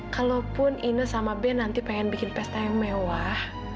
kalaupun ine sama ben nanti pengen bikin pesta yang mewah